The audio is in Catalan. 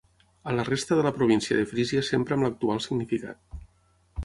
A la resta de la província de Frísia s'empra amb l'actual significat.